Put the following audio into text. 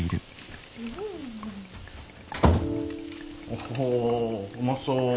おうまそう。